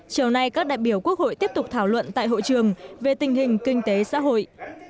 chiều nay các đại biểu quốc hội tiếp tục thảo luận tại hội trường về tình hình kinh tế xã hội